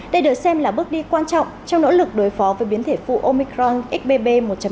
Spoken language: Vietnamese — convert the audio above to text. đây được xem là bước đi quan trọng trong nỗ lực đối phó với biến thể phụ omicron xbb một